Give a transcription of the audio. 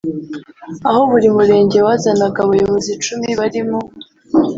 aho buri Murenge wazanaga abayobozi icumi barimo